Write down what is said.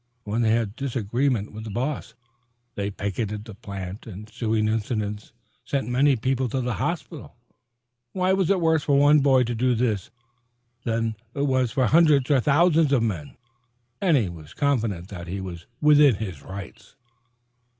When they had a disagreement with the boss, they picketed the plant, and ensuing incidents sent many people to the hospitals. Why was it worse for one boy to do this than it was for some hundreds or thousands of men? Danny was confident that he was within his rights.